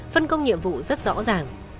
phân công nhiệm vụ rất rõ ràng